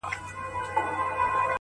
کوټي ته درځمه گراني-